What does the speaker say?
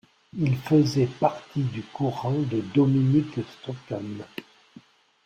Il faisait partie du courant de Dominique Strauss-Kahn.